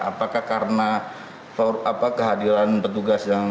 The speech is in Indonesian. apakah karena kehadiran petugas yang